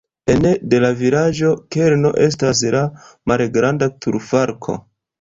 Ene de la vilaĝa kerno estas la malgranda turfalko.